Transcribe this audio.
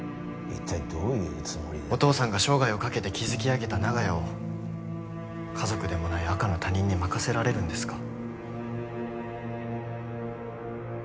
お父さんが生涯をかけて築き上げた長屋を家族でもない赤の他人に任せられるんですか？